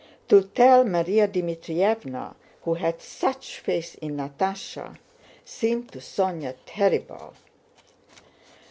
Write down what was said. To tell Márya Dmítrievna who had such faith in Natásha seemed to Sónya terrible.